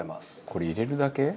これ入れるだけ？